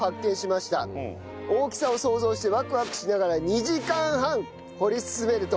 「大きさを想像してワクワクしながら２時間半掘り進めると」